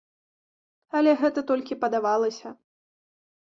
Але гэта толькі падавалася.